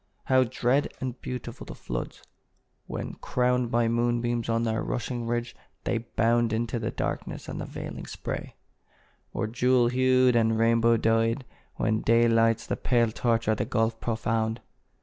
How dread and beautiful the floods, when, crowned By moonbeams on their rushing ridge, they bound Into the darkness and the veiling spray; Or, jewel hued and rainbow dyed, when day Lights the pale torture of the gulf profound!